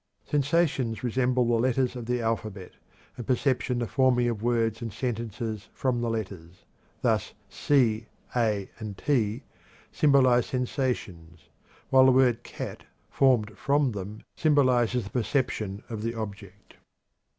Sensations resemble the letters of the alphabet, and perception the forming of words and sentences from the letters. Thus c, a, and t symbolize sensations, while the word "cat," formed from them, symbolizes the perception of the object.